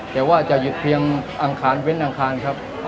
แต่ว่าจะหยุดเพียงอังคารเว้นอังคารครับ